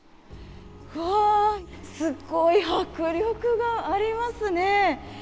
わー、すごい迫力がありますね。